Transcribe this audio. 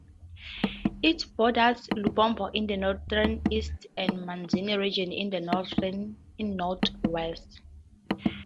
It borders Lubombo in the northeast and Manzini Region in the northwest.